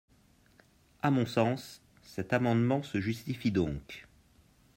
À mon sens, cet amendement se justifie donc.